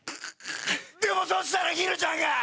でもそしたらひるちゃんが！